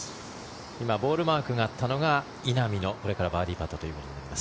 今、ボールマークがあったのは稲見のこれからバーディーパットとなります。